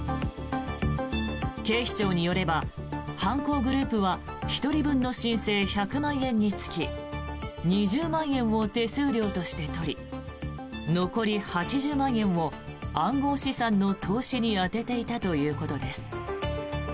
警視庁によれば、犯行グループは１人分の申請１００万円につき２０万円を手数料として取り残り８０万円を暗号資産の投資に充てていたということです。